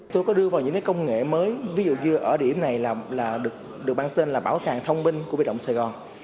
tôi có đưa vào những công nghệ mới ví dụ như ở điểm này được mang tên là bảo tàng thông minh của biệt động sài gòn